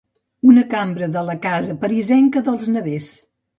Una cambra de la casa parisenca dels Nevers.